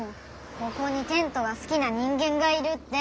ここにテントが好きな人間がいるって。